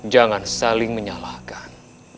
jangan saling menyalahkan